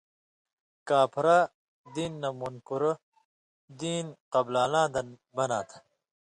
کاپھرہ (دین نہ مُنکُرہ) دین قبلان٘لاں دن بناں تھہ